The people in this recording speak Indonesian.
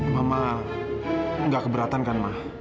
mama enggak keberatan kan ma